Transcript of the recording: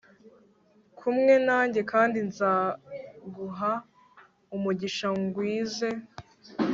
kumwe nanjye kandi nzaguha umugisha ngwize